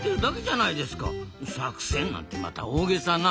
作戦なんてまた大げさな。